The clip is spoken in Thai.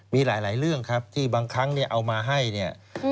มีหลายเรื่องครับที่บางครั้งเนี่ยเอามาให้เนี่ย